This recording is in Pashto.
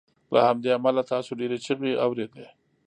له همدې امله تاسو ډیرې چیغې اوریدې